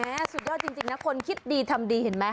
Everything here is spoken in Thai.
สุดยอดจริงนะคนคิดดีทำดีเห็นไหม